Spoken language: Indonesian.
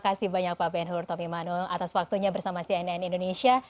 terima kasih banyak pak benhur tomimano atas waktunya bersama cnn indonesia